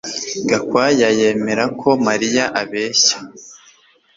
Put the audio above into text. Gakwaya yemera ko Mariya abeshya